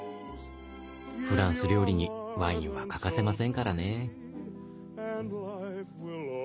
フランス料理にワインは欠かせませんからね。